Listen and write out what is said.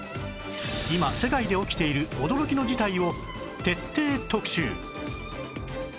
今世界で起きている驚きの事態を徹底特集